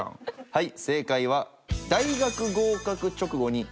はい。